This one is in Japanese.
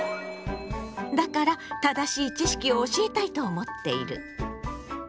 だから正しい知識を教えたいと思っている。